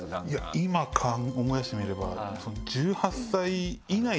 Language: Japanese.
今思い出してみれば。